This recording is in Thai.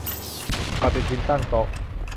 ปฏิทินตั้งโต๊ะ